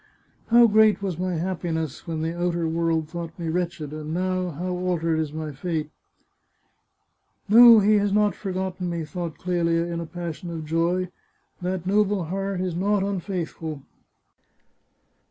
" How great was my happiness when the outer world thought me wretched! and now, how altered is my fate !"" No, he has not forgotten me," thought Clelia in a pas sion of joy. " That noble heart is not unfaithful."